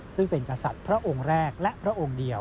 ซึ่งเป็นกษัตริย์พระองค์แรก